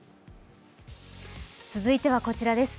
続いてはこちらです。